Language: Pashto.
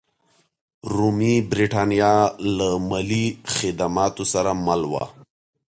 رومي برېټانیا له مالي خدماتو سره مل وه.